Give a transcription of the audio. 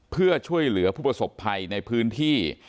เพื่อช่วยเหลือผู้ประสบภัยในพื้นที่